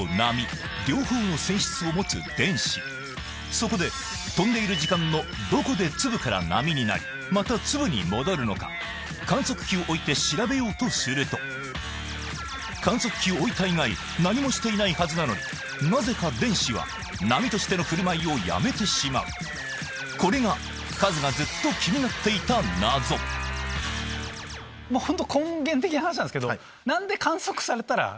そこで飛んでいる時間のどこで粒から波になりまた粒に戻るのか観測器を置いて調べようとすると観測器を置いた以外何もしていないはずなのになぜか電子は波としての振る舞いをやめてしまうこれがカズがずっと気になっていた本当根源的な話なんですけど。